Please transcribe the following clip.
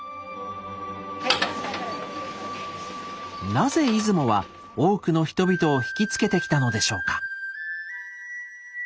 なぜ出雲は多くの人々を引き付けてきたのでしょうか。